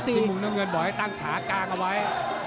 มุมน้ำเงินบอกให้ตั้งขากลางเอาไว้